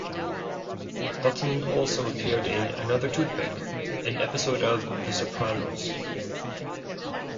Dutton also appeared in "Another Toothpick," an episode of "The Sopranos".